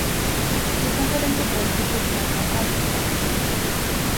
Utanför den katolska kyrkan är allt kaos.